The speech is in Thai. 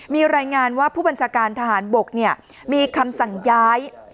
มีรายงานว่าผู้บัญชาการทหารบกมีคำสั่งย้าย